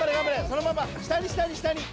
そのまま下に下に下に。